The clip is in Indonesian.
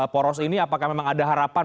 poros ini apakah memang ada harapan